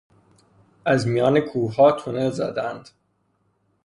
از میان کوهها تونل زدهاند.